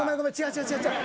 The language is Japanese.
違う違う違う。